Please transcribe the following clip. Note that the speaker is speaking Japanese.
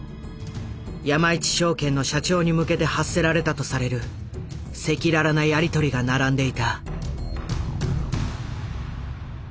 山一証券の社長に向けて発せられたとされる赤裸々なやり取りが並んでいた。